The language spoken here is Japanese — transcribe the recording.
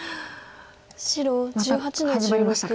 また始まりましたか。